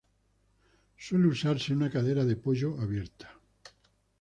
Suele usarse una cadera de pollo abierta.